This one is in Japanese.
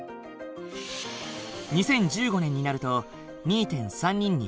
２０１５年になると２．３人に減る。